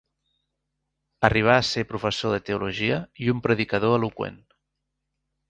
Arribà a ser professor de teologia i un predicador eloqüent.